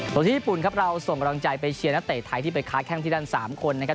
ส่วนที่ญี่ปุ่นครับเราส่งกำลังใจไปเชียร์นักเตะไทยที่ไปค้าแข้งที่นั่น๓คนนะครับ